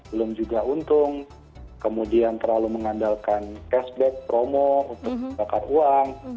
belum juga untung kemudian terlalu mengandalkan cashback promo untuk bakar uang